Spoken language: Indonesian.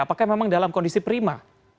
apakah memang dalam kondisi prima